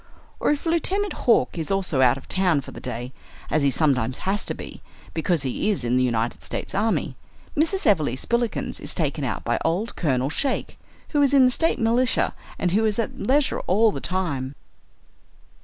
Or if Lieutenant Hawk is also out of town for the day, as he sometimes has to be, because he is in the United States army, Mrs. Everleigh Spillikins is taken out by old Colonel Shake, who is in the State militia and who is at leisure all the time.